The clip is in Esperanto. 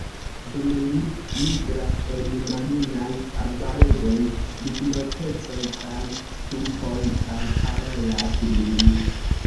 Dum li migras en maljunaj arbaregoj, lignopecoj kaj stumpoj “alparolas lin.